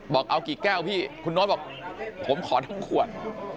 บอกเอากี่แก้วคุณโนสว่าผมขอทั้งขวด